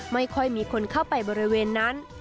ไม่ค่อยมีคนเข้าไปบริเวณนั้น